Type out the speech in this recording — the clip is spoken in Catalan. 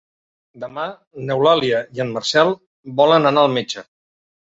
Demà n'Eulàlia i en Marcel volen anar al metge.